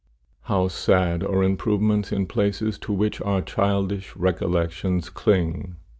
How sad are improvements in places to which our childish recollections cling!